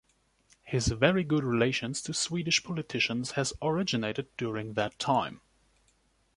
His very good relations to Swedish politicians has originated during that time.